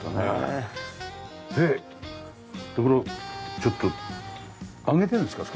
でこのちょっと上げてるんですか？